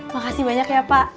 makasih banyak ya pak